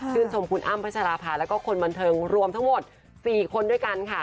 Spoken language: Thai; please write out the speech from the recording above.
ชมคุณอ้ำพัชราภาแล้วก็คนบันเทิงรวมทั้งหมด๔คนด้วยกันค่ะ